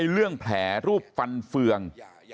เรื่องแผลรูปฟันเฟือง